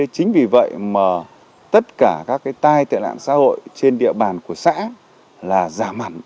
chính vì vậy mà tất cả các tai tệ lạng xã hội trên địa bàn của xã là giả mẳn